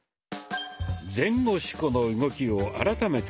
「前後四股」の動きを改めてお見せしましょう。